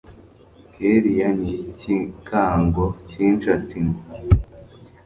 kellia nicyikango cyinshi ati ngo!!